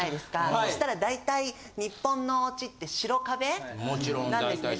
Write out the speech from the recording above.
そしたら大体日本のおうちって白壁なんですね。